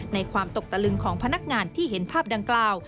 ความตกตะลึงของพนักงานที่เห็นภาพดังกล่าว